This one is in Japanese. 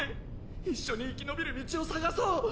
一緒に生き延びる道を探そう。